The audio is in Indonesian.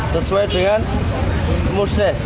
sesuai dengan musnes